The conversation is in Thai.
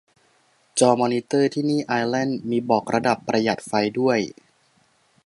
จอมอนิเตอร์ที่นี่ ไอร์แลนด์ มีบอกระดับประหยัดไฟด้วย